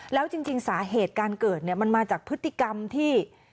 แล้วจริงสาเหตุการเกิดเนี่ยมันมาจากพฤติกรรมที่